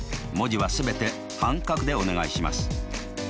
文字は全て半角でお願いします。